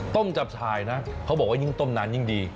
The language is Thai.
ต้มจับฉายนะเขาบอกว่ายิ่งต้มนานยิ่งดี